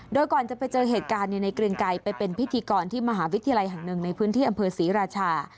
โดยก่อนจะไปเจอเหตุการณ์ในเกรียงไกรไปเป็นพิธีกรที่มหาวิทยาลัยแห่งหนึ่งในพื้นที่อำเภอศรีราชา